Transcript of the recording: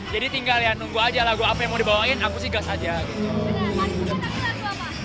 jadi tinggal ya nunggu aja lagu apa yang mau dibawain aku sih gas aja gitu